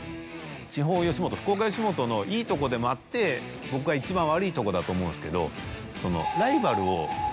地方吉本福岡吉本のいいとこでもあって僕が一番悪いとこだと思うんですけど。